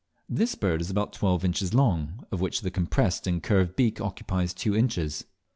This bird is about twelve inches long, of which the compressed and curved beak occupies two inches.